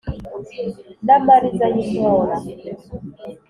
n’ amariza y’ i ntora,